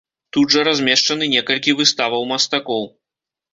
Тут жа размешчаны некалькі выставаў мастакоў.